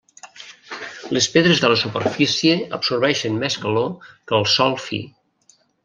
Les pedres de la superfície absorbeixen més calor que el sòl fi.